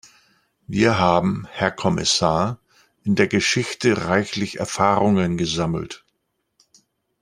Wir haben, Herr Kommissar, in der Geschichte reichlich Erfahrungen gesammelt.